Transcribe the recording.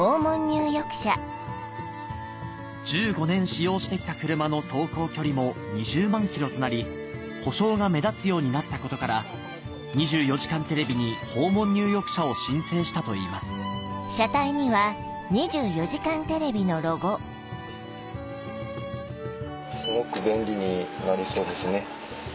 １５年使用して来た車の走行距離も２０万ｋｍとなり故障が目立つようになったことから『２４時間テレビ』に訪問入浴車を申請したといいますすごく便利になりそうですね。